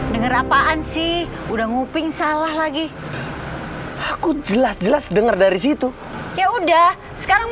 dengar apaan sih udah nguping salah lagi aku jelas jelas dengar dari situ ya udah sekarang